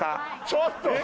ちょっと。